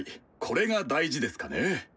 これが大事ですかね。